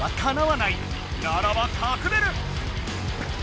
ならばかくれる！